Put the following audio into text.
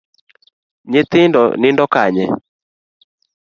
Nyithindo nindo kanye?